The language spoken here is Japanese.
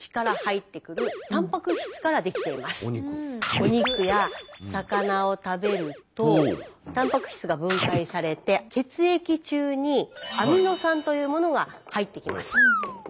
お肉や魚を食べるとたんぱく質が分解されて血液中にアミノ酸というものが入ってきます。